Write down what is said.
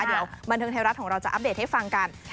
เดี๋ยวบันเทิงไทยรัฐของเราจะอัปเดตให้ฟังกัน